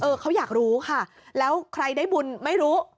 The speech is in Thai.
เขาอยากรู้ค่ะแล้วใครได้บุญไม่รู้